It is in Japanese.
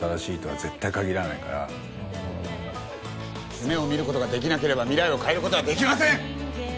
夢を見ることができなければ未来を変えることはできません！